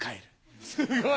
すごい！